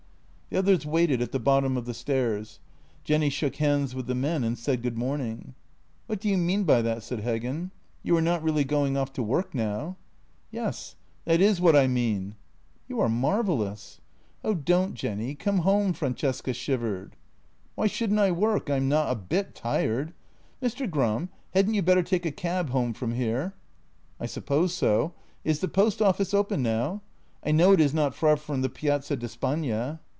The others waited at the bottom of the stairs. Jenny shook hands with the men and said good morning. "What do you mean by that?" said Heggen. "You are not really going off to work now? "" Yes; that is what I mean." " You are marvellous! "" Oh, don't, Jenny, come home! " Francesca shivered. " Why shouldn't I work? I am not a bit tired. Mr. Gram, hadn't you better take a cab home from here? "" I suppose so. Is the post office open now? I know it is not far from the Piazza di Spagna."